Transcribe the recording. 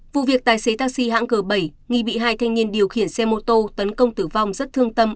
vụ việc tài xế taxi hãng g bảy nghi bị hai thanh niên điều khiển xe mô tô tấn công tử vong rất thương tâm